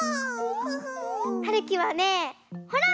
はるきはねほら！